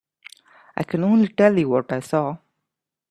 I can only tell you what I saw.